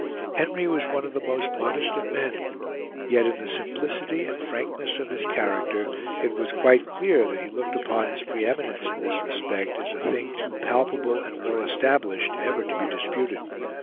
Henry was one of the most modest of men; yet, in the simplicity and frankness of his character, it was quite clear that he looked upon his pre eminence in this respect as a thing too palpable and well established ever to be disputed.